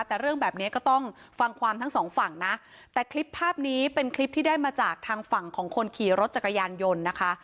แต่เรื่องแบบนี้ก็ต้องฟังความทั้งสองฝั่งนะแต่คลิปภาพนี้เป็นคลิปที่ได้มาจากทางฝั่งของคนขี่รถจักรยานยนต์นะคะ